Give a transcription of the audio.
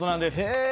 へえ。